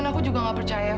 lagi aku juga gak percaya